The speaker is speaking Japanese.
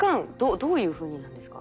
どどういうふうになんですか？